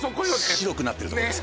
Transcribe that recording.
白くなってるとこです